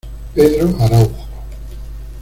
Pedro Araujo.